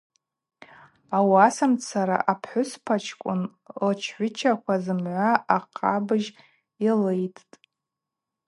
Ауасамцара апхӏвыспачкӏвын лчгӏвычаква зымгӏва ахъабыжь йлылттӏ.